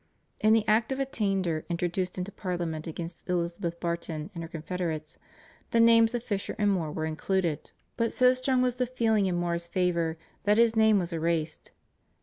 In the Act of Attainder introduced into Parliament against Elizabeth Barton and her confederates, the names of Fisher and More were included, but so strong was the feeling in More's favour that his name was erased.